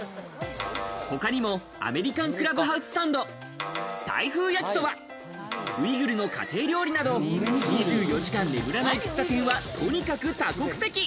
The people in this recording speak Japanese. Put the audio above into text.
他にもアメリカンクラブハウスサンド、タイ風焼きそば、ウイグルの家庭料理など、２４時間眠らない喫茶店はとにかく多国籍。